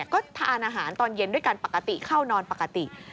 ก็ทานอาหารตอนเย็นด้วยกันปกติเข้านอนปกติ